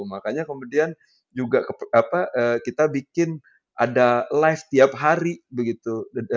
makanya kemudian juga kita bikin ada live tiap hari begitu